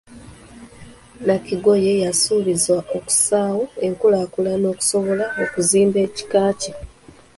Nakigoye yasuubizza okussaawo enkulaakulana okusobola okuzimba ekika kye.